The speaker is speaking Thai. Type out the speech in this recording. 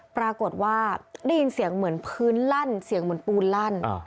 ปรากฏว่าได้ยินเสียงเหมือนพื้นลั่นเสียงเหมือนปูนลั่น